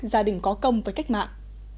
gia đình có công với cách mạng